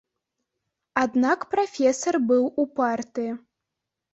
Аднак прафесар быў упарты.